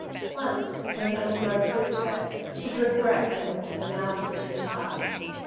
Once, when the undergrowth gripped her, she drew breath and looked at the now twitching child.